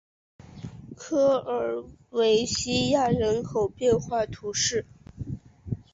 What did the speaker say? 科尔韦西亚人口变化图示